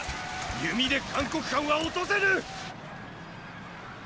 弓で函谷関は落とせぬ！！